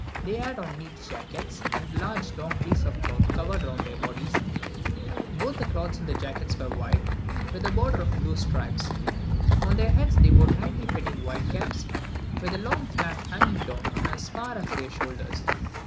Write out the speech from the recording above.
They had on neat jackets, and large long pieces of cloth wrapped round their bodies; both the cloths and jackets were white, with a border of blue stripes. On their heads they wore tightly fitting white caps, with a long flap hanging down as far as their shoulders.